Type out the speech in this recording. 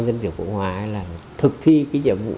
dân chủ của hà nội thực thi nhiệm vụ